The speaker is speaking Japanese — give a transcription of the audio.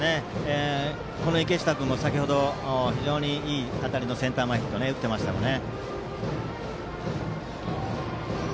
この池下君も先程非常にいい当たりのセンター前ヒットを打っていましたからね。